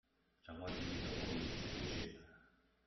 強化經濟的活力與自主性